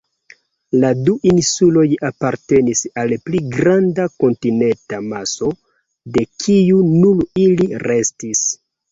La du insuloj apartenis al pli granda kontinenta maso, de kiu nur ili restis.